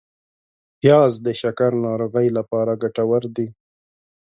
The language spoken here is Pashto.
پیاز د شکر ناروغۍ لپاره ګټور دی